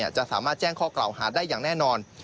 จะสามารถแจ้งข้อกล่าวหาได้อย่างแน่นอน